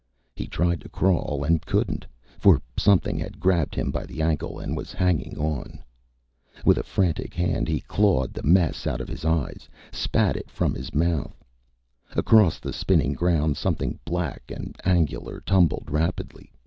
He tried to crawl and couldn't, for something had grabbed him by the ankle and was hanging on. With a frantic hand, he clawed the mess out of his eyes, spat it from his mouth. Across the spinning ground, something black and angular tumbled rapidly.